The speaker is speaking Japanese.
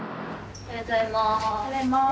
おはようございます。